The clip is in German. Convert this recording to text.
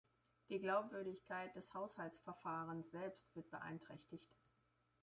Die Glaubwürdigkeit des Haushaltsverfahrens selbst wird beeinträchtigt.